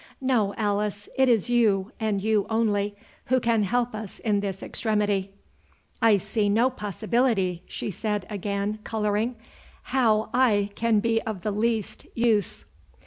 No, Alice, it is you, and you only, who can help us in this extremity." "I see no possibility," said she, again colouring, "how I can be of the least use."